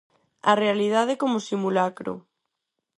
A realidade como simulacro.